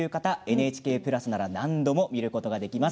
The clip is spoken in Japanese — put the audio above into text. ＮＨＫプラスなら何度も見ることができます。